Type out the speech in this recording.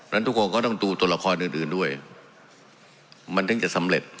ทุกคนก็ต้องดูตัวละครอื่นด้วยมันถึงจะสำเร็จ